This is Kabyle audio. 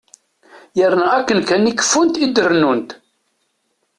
Yerna akken kan i keffunt i d-rennunt.